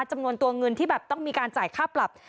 จำนวนตัวเงินที่แบบต้องมีการจ่ายค่าปรับ